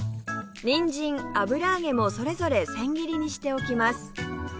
にんじん油揚げもそれぞれせん切りにしておきます